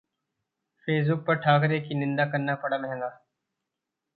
Facebook पर ठाकरे की निंदा करना पड़ा महंगा